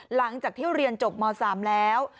หลังจากที่เรียนจบม๓แล้ว